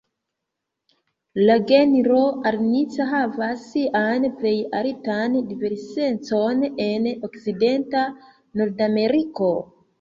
La genro "Arnica"havas sian plej altan diversecon en okcidenta Nordameriko.